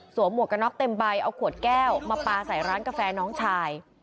หมวกกระน็อกเต็มใบเอาขวดแก้วมาปลาใส่ร้านกาแฟน้องชาย